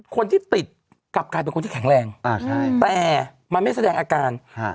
คนที่ติดกลับกลายเป็นคนที่แข็งแรงอ่าใช่แต่มันไม่แสดงอาการฮะ